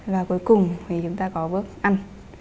và cuối cùng thì chúng ta có bước ăn